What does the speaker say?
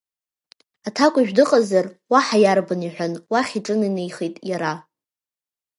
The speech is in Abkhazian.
Аҭакәажә дыҟазар, уаҳа иарбан, — иҳәан, уахь иҿыненхеит иара.